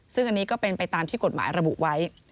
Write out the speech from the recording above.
ซึ่งอันนี้ก็เป็นไปตามที่กฎหมายระบุไว้